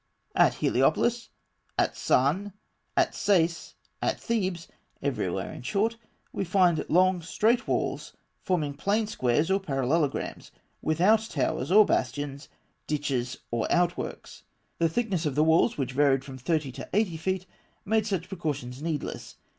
At Heliopollis, at Sãn, at Sais, at Thebes, everywhere in short, we find long straight walls forming plain squares or parallelograms, without towers or bastions, ditches or outworks. The thickness of the walls, which varied from thirty to eighty feet, made such precautions needless.